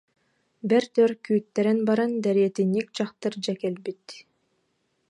Бэрт өр күүттэрэн баран, дэриэтинньик дьахтар дьэ кэлбит